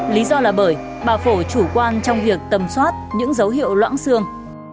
lý do là bởi bà phổ chủ quan trong việc tầm soát những dấu hiệu loãng xương